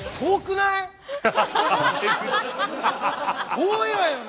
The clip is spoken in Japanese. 遠いわよね。